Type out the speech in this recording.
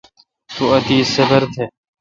تو اتیش صبر تہ۔